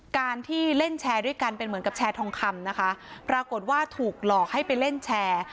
การที่เล่นแชร์ด้วยกันเป็นเหมือนกับแชร์ทองคำนะคะปรากฏว่าถูกหลอกให้ไปเล่นแชร์